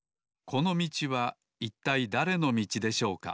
このみちはいったいだれのみちでしょうか？